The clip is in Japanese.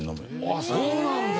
あっそうなんだ。